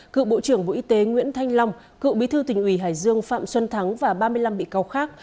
cựu bộ trưởng bộ y tế nguyễn thanh long cựu bí thư tỉnh ủy hải dương phạm xuân thắng và ba mươi năm bị cáo khác